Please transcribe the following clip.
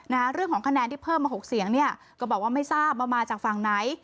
นะฮะเรื่องของคะแนนที่เพิ่มมาหกเสียงเนี่ยก็บอกว่าไม่ทราบว่ามาจากฝั่งไหน